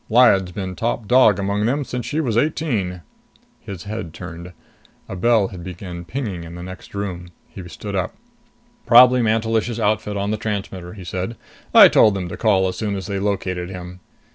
Lyad's been top dog among them since she was eighteen " His head turned. A bell had begun pinging in the next room. He stood up. "Probably Mantelish's outfit on the transmitter," he said. "I told them to call as soon as they located him."